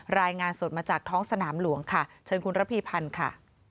รายงานสดมาจากท้องสนามหลวงค่ะเชิญคุณระพีพันธ์ค่ะ